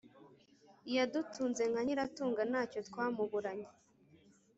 Yadutunze nka Nyiratunga, ntacyo twamuburanye